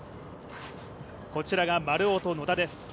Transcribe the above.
こちらが丸尾と野田です。